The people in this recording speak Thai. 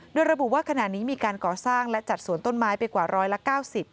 โดยระบุว่าขณะนี้มีการก่อสร้างและจัดสวนต้นไม้ไปกว่าร้อยละเก้าสิบ